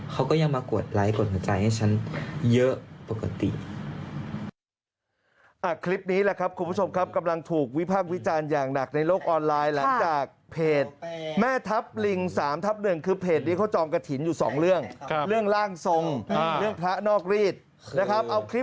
เขาก็ยังมากรวดไลค์กรดกระจายให้ฉันเยอะปกติ